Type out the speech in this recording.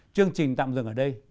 chương trình tạm dừng ở đây